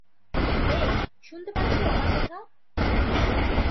Bake, শুনতে পাচ্ছো আমার কথা?